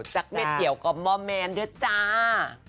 จากเงือเดียวกับหมอแมนเดียวจ้า